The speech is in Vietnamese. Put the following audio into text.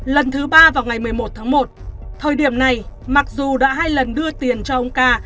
lần thứ ba vào ngày một mươi một tháng một thời điểm này mặc dù đã hai lần đưa tiền cho ông ca